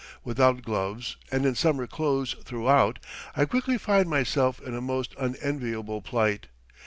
Without gloves, and in summer clothes throughout, I quickly find myself in a most unenviable plight.